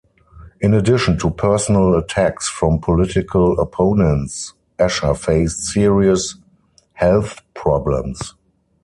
In addition to personal attacks from political opponents, Escher faced serious health problems.